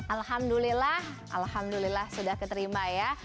alhamdulillah alhamdulillah sudah keterima ya